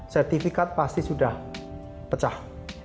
sertifikat pasti sudah pecah